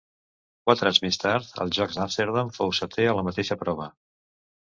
Quatre anys més tard, als Jocs d'Amsterdam, fou setè en la mateixa prova.